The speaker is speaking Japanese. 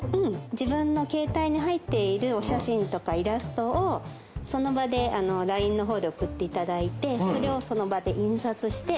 自分の携帯に入っているお写真とかイラストをその場でＬＩＮＥの方で送っていただいてそれをその場で印刷して。